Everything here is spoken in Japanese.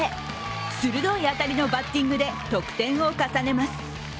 鋭い当たりのバッティングで得点を重ねます。